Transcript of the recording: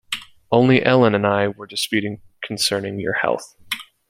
Only Ellen and I were disputing concerning your health.